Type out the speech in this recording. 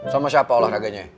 sama siapa olahraganya